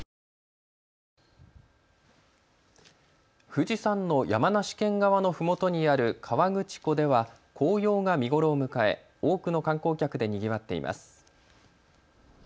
富士山の山梨県側のふもとにある河口湖では紅葉が見頃を迎え多くの観光客でにぎわっています。